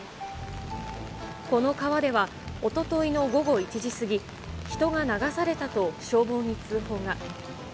この川ではおとといの午後１時過ぎ、人が流されたと消防に通報が。